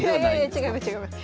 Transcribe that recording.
違います。